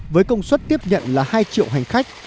với công suất tiếp nhận là hai triệu hành khách